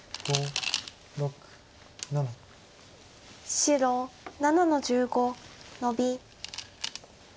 白７の十五ノビ。